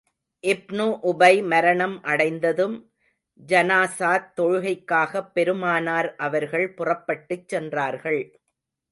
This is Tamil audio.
இப்னு உபை மரணம் அடைந்ததும், ஜனாஸாத் தொழுகைக்காகப் பெருமானார் அவர்கள் புறப்பட்டுச் சென்றார்கள்.